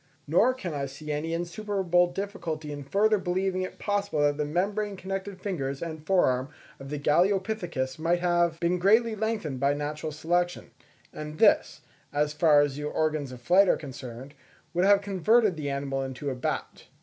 Nor can I see any insuperable difficulty in further believing it possible that the membrane connected fingers and fore arm of the Galeopithecus might have been greatly lengthened by natural selection; and this, as far as the organs of flight are concerned, would have converted the animal into a bat.